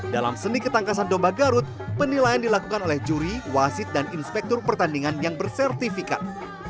dalam seni ketangkasan domba garut penilaian dilakukan oleh juri wasit dan inspektur pertandingan yang bersertifikat